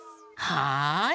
はい！